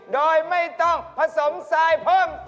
โดยไม่ต้องผสมทรายเพิ่ม